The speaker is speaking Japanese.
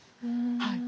はい。